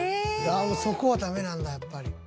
そこはダメなんだやっぱり。